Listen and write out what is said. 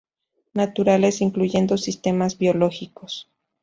Naturales, incluyendo sistemas biológicos.